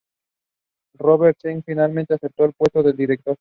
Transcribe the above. Robert Zemeckis finalmente aceptó el puesto de director.